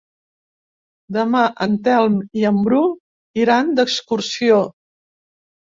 Demà en Telm i en Bru iran d'excursió.